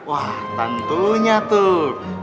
wah tentunya tuh